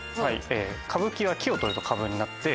「歌舞伎」は「き」を取ると「カブ」になって。